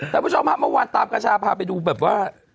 คุณผู้ชมฮะเมื่อวานตามกระชาพาไปดูแบบว่า